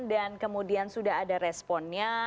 kemudian sudah ada responnya